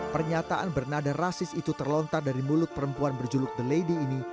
pernyataan bernada rasis itu terlontar dari mulut perempuan berjuluk suci